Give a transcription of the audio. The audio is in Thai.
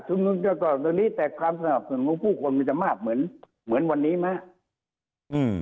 ชุมนุมกันต่ออย่างนี้แต่ความสำหรับส่วนของผู้คนมันจะมากเหมือนวันนี้ไหม